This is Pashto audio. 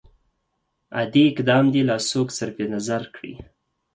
عادي اقدام دې لا څوک صرف نظر کړي.